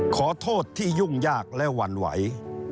ขอโทษที่ยุ่งยากและหวั่นไหว